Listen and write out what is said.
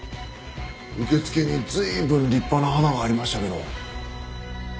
受付に随分立派な花がありましたけど。